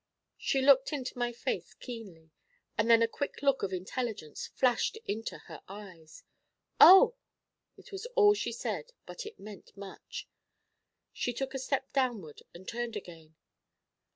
She looked into my face keenly, and then a quick look of intelligence flashed into her eyes. 'Oh!' It was all she said, but it meant much. She took a step downward, and turned again.